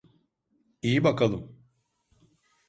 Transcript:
İyi bakalım.